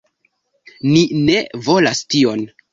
Ni ne volas tion.